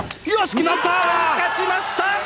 日本勝ちました！